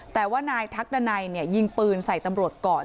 แต่ว่านายทักตะไหนเนี่ยยิงปืนใส่ตำลดก่อน